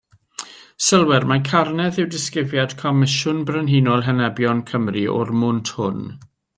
Sylwer mai carnedd yw disgrifiad Comisiwn Brenhinol Henebion Cymru o'r mwnt hwn.